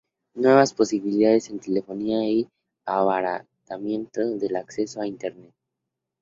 Nuevas posibilidades en telefonía y un abaratamiento del acceso a Internet.